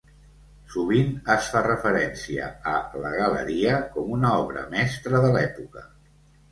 Sovint es fa referència a "La galeria" com una obra mestra de l'època.